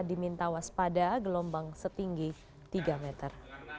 diminta waspada gelombang setinggi tiga meter